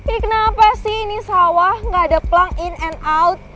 ini kenapa sih ini sawah gak ada pelang in and out